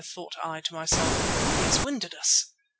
thought I to myself, "he has winded us!"